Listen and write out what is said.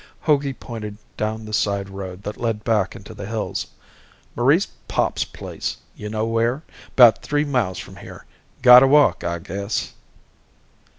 Hogey pointed down the side road that led back into the hills. "Marie's pop's place. You know where? 'Bout three miles from here. Gotta walk, I guess."